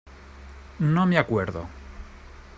no me acuerdo.